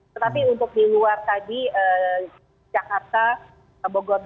tetapi untuk di luar tadi jakarta bogor depok bekasi